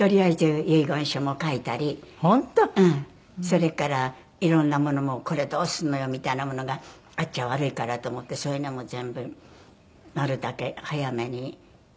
それから色んなものもこれどうするのよみたいなものがあっちゃ悪いからと思ってそういうのも全部なるたけ早めに処分してます。